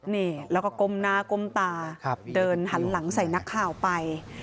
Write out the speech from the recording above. นี่แล้วก็ก้มหน้าก้มตาเดินหันหลังใส่นักข่าวไป